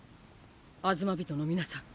アズマビトの皆さん。